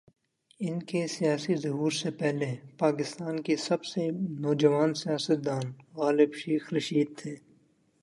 ان کے سیاسی ظہور سے پہلے، پاکستان کے سب سے "نوجوان سیاست دان" غالبا شیخ رشید تھے۔